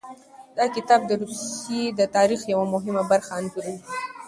دا کتاب د روسیې د تاریخ یوه مهمه برخه انځوروي.